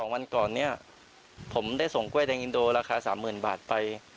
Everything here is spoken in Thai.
วันก่อนนี้ผมได้ส่งกล้วยแดงอินโดราคา๓๐๐๐บาทไป